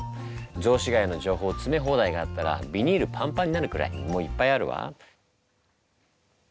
雑司が谷の情報つめ放題があったらビニールパンパンになるくらいもういっぱいあるわ。